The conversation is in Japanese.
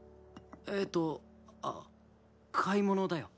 えっとあっ買い物だよ。